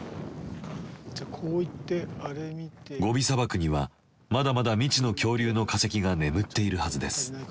ゴビ砂漠にはまだまだ未知の恐竜の化石が眠っているはずです。